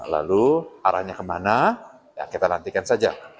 lalu arahnya kemana ya kita nantikan saja